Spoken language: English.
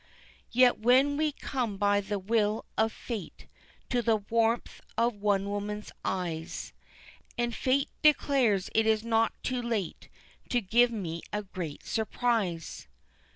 Yet when we come by the will of fate To the warmth of one woman's eyes, And fate declares it is not too late To give me a great surprise.